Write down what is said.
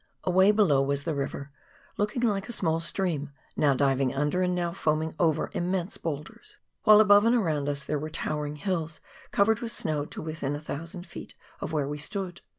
Away below was the river, looking Kke a small stream, now diving under and now foaming over immense boulders, while above and around us there were towering hills covered with snow to within a thousand feet of where we stood.